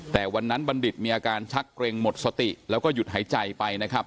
แต่วันนั้นบัณฑิตมีอาการชักเกร็งหมดสติแล้วก็หยุดหายใจไปนะครับ